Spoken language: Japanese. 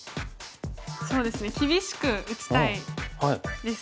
そうですね厳しく打ちたいです。